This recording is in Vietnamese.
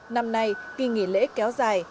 năm nay kỷ nghỉ lễ kéo dài